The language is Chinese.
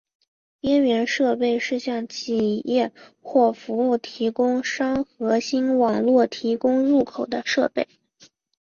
边缘设备是向企业或服务提供商核心网络提供入口点的设备。